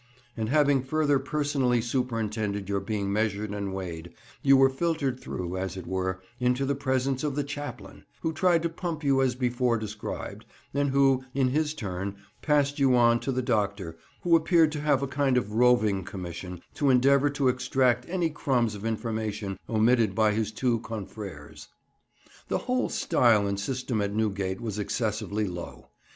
and having further personally superintended your being measured and weighed, you were filtered through, as it were, into the presence of the Chaplain, who tried to pump you as before described, and who, in his turn, passed you on to the doctor, who appeared to have a kind of roving commission to endeavour to extract any crumbs of information omitted by his two confrères. [Picture: A Cheerful Group] The whole style and system at Newgate was excessively low.